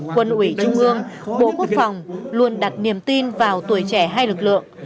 quân ủy trung ương bộ quốc phòng luôn đặt niềm tin vào tuổi trẻ hai lực lượng